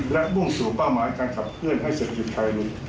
และมุ่งสู่เป้าหมายการขับเคลื่อนให้เศรษฐกิจไทยลง